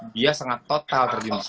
dia sangat total terjun di situ